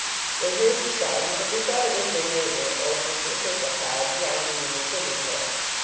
They heard the shouting, but they thought it was their neigh bor, old Mr. Thistlepod, drowning in the swimming hole.